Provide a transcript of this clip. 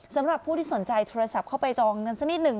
สำหรับผู้ที่สนใจโทรศัพท์เข้าไปจองเงินสักนิดหนึ่ง